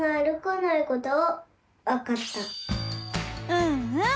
うんうん！